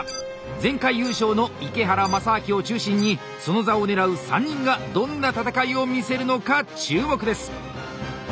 前回優勝の池原大烈を中心にその座を狙う３人がどんな戦いを見せるのか注目です。